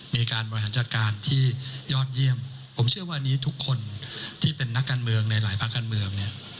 มีการบริหารจัดการที่ยอดเยี่ยมผมเชื่อว่านี้ทุกคนที่เป็นนักการเมืองในหลายภาคการเมืองเนี่ย